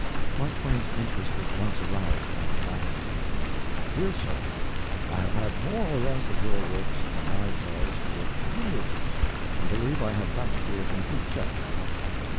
Mark Twain's interest was once aroused by the following: DEAR SIR, I have had more or less of your works on my shelves for years, and believe I have practically a complete set now.